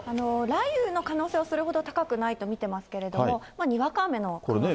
雷雨の可能性はそれほど高くないと見てますけれども、にわか雨の可能性がありますね。